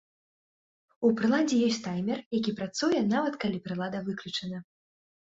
У прыладзе ёсць таймер, які працуе, нават калі прылада выключана.